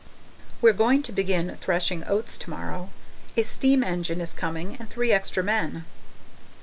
We're going to begin threshing oats tomorrow; a steam engine is coming and three extra men.